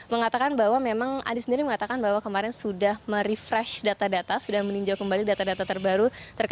mengatakan bahwa memang adi sendiri mengatakan bahwa kemarin sudah merefresh data data sudah meninjau kembali data data terbaru